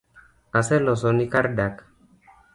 Aseloso ni kar dak